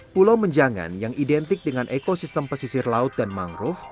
pulau menjangan yang identik dengan ekosistem pesisir laut dan mangrove